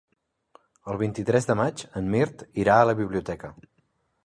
El vint-i-tres de maig en Mirt irà a la biblioteca.